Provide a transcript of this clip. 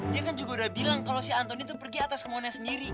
dia kan juga udah bilang kalo si antoni pergi atas kemauannya sendiri